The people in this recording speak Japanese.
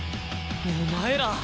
お前ら！